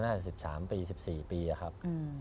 น่าจะ๑๓ปี๑๔ปีอะครับ